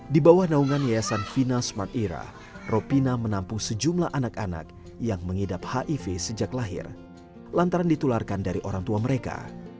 di bawah naungan yayasan fina smart ira ropina menampung sejumlah anak anak yang mengidap hiv sejak lahir lantaran ditularkan dari orang tua mereka